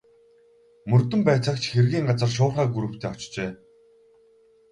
Мөрдөн байцаагч хэргийн газар шуурхай групптэй очжээ.